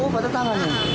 oh patah tangan